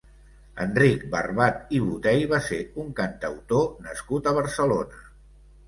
Enric Barbat i Botey va ser un cantautor nascut a Barcelona.